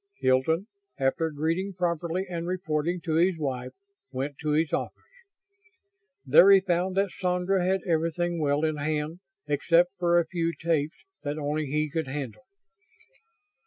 Hilton, after greeting properly and reporting to his wife, went to his office. There he found that Sandra had everything well in hand except for a few tapes that only he could handle.